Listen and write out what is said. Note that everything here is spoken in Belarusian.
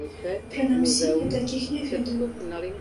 Прынамсі я такіх не ведаю.